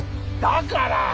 だからぁ！？